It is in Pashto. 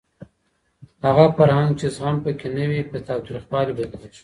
هغه فرهنګ چي زغم په کي نه وي په تاوتريخوالي بدليږي.